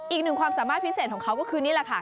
อีกหนึ่งความสามารถพิเศษของเขาก็คือนี่แหละค่ะ